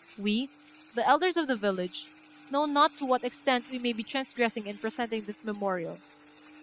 We, the elders of the villages, know not to what extent we may be transgressing in presenting this memorial.